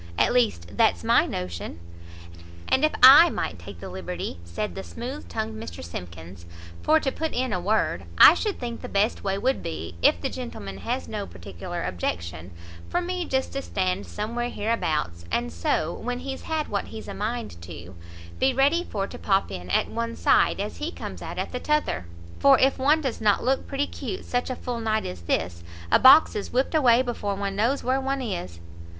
At least that's my notion." "And if I might take the liberty," said the smooth tongued Mr Simkins, "for to put in a word, I should think the best way would be, if the gentleman has no peticklar objection, for me just to stand somewhere hereabouts, and so, when he's had what he's a mind to, be ready for to pop in at one side, as he comes out at the t'other; for if one does not look pretty 'cute such a full night as this, a box is whipt away before one knows where one is."